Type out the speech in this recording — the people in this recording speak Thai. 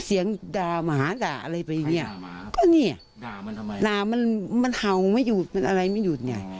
เสียงด่าหมาด่าอะไรไปอย่างเงี้ยก็เนี่ยด่ามันทำไมด่ามันมันเห่าไม่หยุดมันอะไรไม่หยุดไง